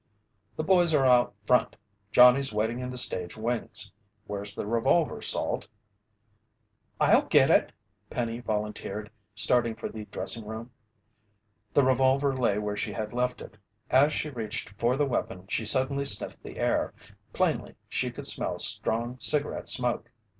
"The boys are out front. Johnny's waiting in the stage wings. Where's the revolver, Salt?" "I'll get it," Penny volunteered, starting for the dressing room. The revolver lay where she had left it. As she reached for the weapon, she suddenly sniffed the air. Plainly she could smell strong cigarette smoke.